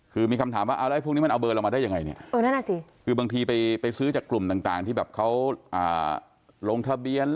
คือมีคำถามว่าเอาไล่พรุ่งนี้มันเอาเบอร์เรามาได้ยังไงเนี่ย